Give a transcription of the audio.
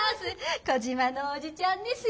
コジマのおじちゃんですよ。